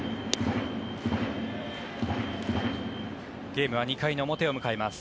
ゲームは２回の表を迎えます。